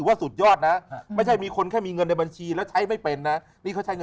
บางทีมีคนเป็นคนแค่มีเงินในบัญชีใช้ไม่เเป็น